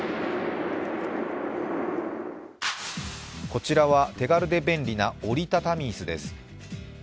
こちらは手軽で便利な折り畳み椅子です。